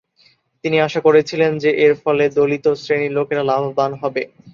তিনি আশা করেছিলেন যে এরফলে দলিত শ্রেণীর লোকেরা লাভবান হবে।